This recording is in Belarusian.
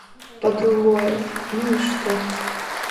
Па-другое, ну і што?